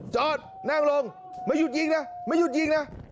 จอดนั่งลงไม่หยุดยิงนะไม่หยุดยิงนะ